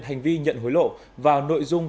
hành vi nhận hối lộ và nội dung